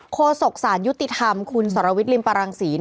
โครสกศาลยุติธรรมคุณสรวิทริมปรังศี